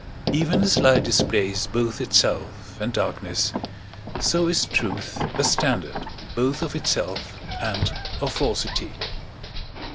Even as light displays both itself and darkness, so is truth a standard both of itself and of falsity.